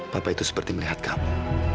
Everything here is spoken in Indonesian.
bapak itu seperti melihat kamu